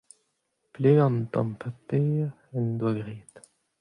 plegañ an tamm paper en doa graet.